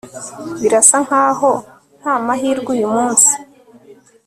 birasa nkaho ntamahirwe uyu munsi